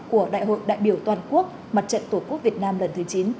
của đại hội đại biểu toàn quốc mặt trận tổ quốc việt nam lần thứ chín